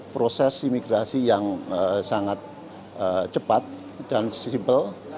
proses imigrasi yang sangat cepat dan sesimpel